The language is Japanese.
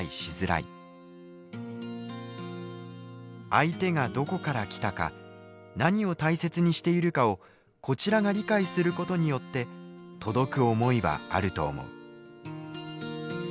「相手がどこから来たか何を大切にしているかをこちらが理解することによって届く想いはあると思う」。